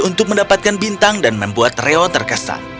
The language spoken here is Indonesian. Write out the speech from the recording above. untuk mendapatkan bintang dan membuat reo terkesan